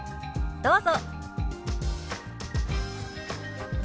どうぞ。